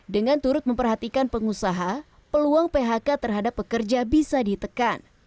dengan turut memperhatikan pengusaha peluang phk terhadap pekerja bisa ditekan